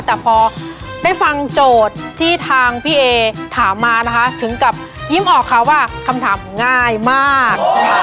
แต่พอได้ฟังโจทย์ที่ทางพี่เอถามมานะคะถึงกับยิ้มออกค่ะว่าคำถามง่ายมาก